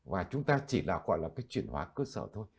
và chúng ta chỉ là gọi là cái chuyển hóa cơ sở thôi